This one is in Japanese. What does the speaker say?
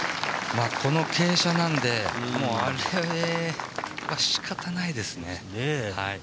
この傾斜なんで、あれは仕方ないですね。